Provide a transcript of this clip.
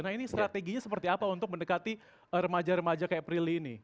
nah ini strateginya seperti apa untuk mendekati remaja remaja kayak prilly ini